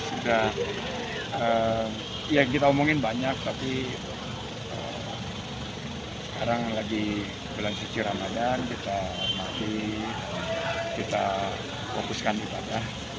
sudah ya kita omongin banyak tapi sekarang lagi bulan suci ramadan kita masih kita fokuskan ibadah